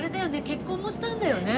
結婚もしたんだよね？